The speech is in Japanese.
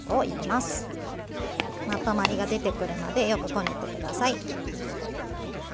まとまりが出てくるまでよくこねてください。